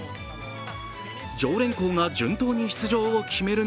常連校が順当に出場を決める